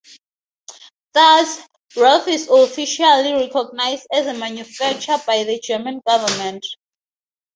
Thus, Ruf is officially recognized as a manufacturer by the German government.